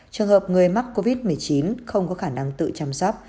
trường hợp người mắc covid một mươi chín không có khả năng tự chăm sóc